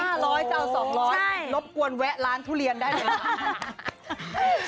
๕๐๐บาทเท่า๒๐๐บาทรบกวนแวะร้านทุเรียนได้เลย